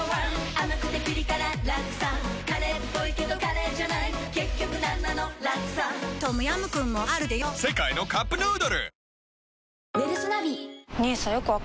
甘くてピリ辛ラクサカレーっぽいけどカレーじゃない結局なんなのラクサトムヤムクンもあるでヨ世界のカップヌードル